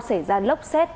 sẽ ra lốc xét